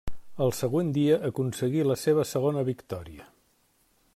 El següent dia aconseguí la seva segona victòria.